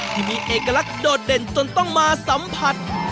ที่มีเอกลักษณ์โดดเด่นจนต้องมาสัมผัส